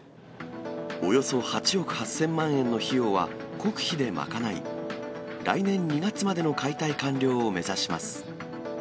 およそ８億８０００万円の費用は国費で賄い、来年２月までの解体完了を目指します。